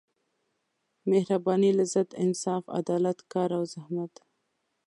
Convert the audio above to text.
مهربانۍ لذت انصاف عدالت کار او زحمت.